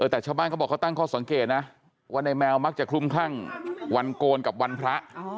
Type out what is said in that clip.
แต่ชาวบ้านเขาบอกเขาตั้งข้อสังเกตนะว่าในแมวมักจะคลุมคลั่งวันโกนกับวันพระ